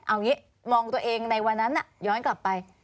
เอางี้มองตัวเองในวันนั้นย้อนกลับไป